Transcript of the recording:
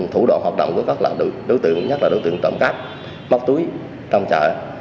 thủ đoạn hoạt động của các đối tượng nhất là đối tượng tổng cắp móc túi trong chợ